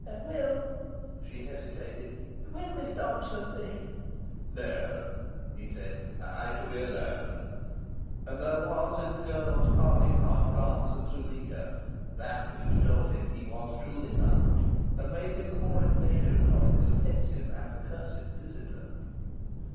"Will " she hesitated, "will Miss Dobson be " "No," he said. "I shall be alone." And there was in the girl's parting half glance at Zuleika that which told him he was truly loved, and made him the more impatient of his offensive and accursed visitor.